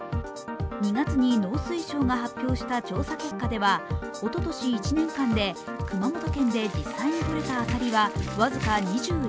２月に農水省が発表した調査結果ではおととし１年間で、熊本県で実際にとれたアサリは僅か２１ｔ。